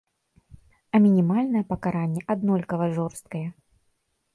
А мінімальнае пакаранне аднолькава жорсткае.